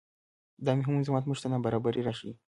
دا مهم موضوعات موږ ته نابرابرۍ راښيي.